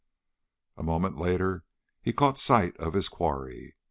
A moment later he caught sight of his quarry.